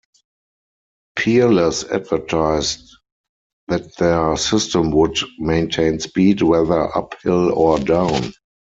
Peerless advertised that their system would "maintain speed whether up hill or down".